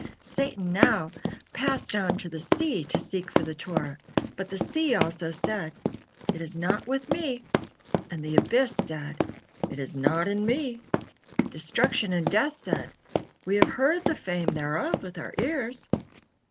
'" Satan now passed on to the sea to seek for the Torah, but the sea also said: "It is not with me," and the abyss said: "It is not in me." Destruction and death said: "We have heard the fame thereof with our ears."